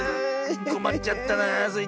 こまっちゃったなあスイ